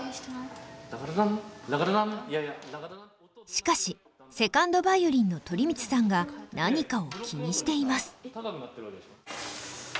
しかし２ｎｄヴァイオリンの鳥光さんが何かを気にしています。